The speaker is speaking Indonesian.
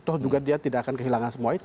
toh juga dia tidak akan kehilangan semua itu